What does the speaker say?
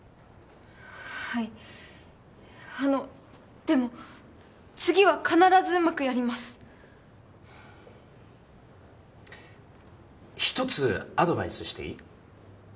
はいあのでも次は必ずうまくやります一つアドバイスしていい？